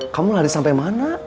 kamu lari sampe mana